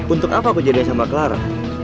untuk apa aku jadian sama clara